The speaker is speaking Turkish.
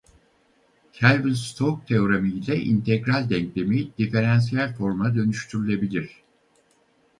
Kelvin-Stoke teoremiyle integral denklemi diferansiyel forma dönüştürülebilir.